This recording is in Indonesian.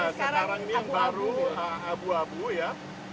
sekarang ini baru abu abu ya